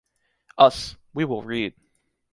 Us, we will read.